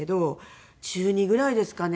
中２ぐらいですかね。